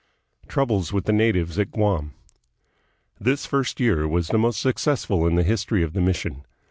Troubles with the Natives at Guam. This first year was the most successful in the history of the mission.